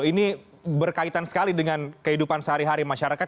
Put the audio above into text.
ini berkaitan sekali dengan kehidupan sehari hari masyarakat